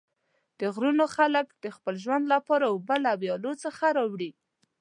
د غرونو خلک د خپل ژوند لپاره اوبه له ویالو څخه راوړي.